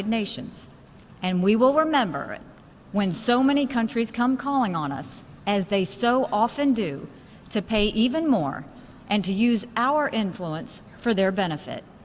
dan kita akan ingat saat banyak negara datang menganggap kami seperti mereka selalu melakukan untuk membayar lebih banyak dan menggunakan pengaruh kita untuk manfaat mereka